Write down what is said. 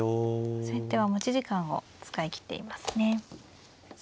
先手は持ち時間を使い切っていますね。